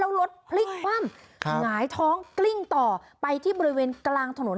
แล้วรถพลิกคว่ำหงายท้องกลิ้งต่อไปที่บริเวณกลางถนน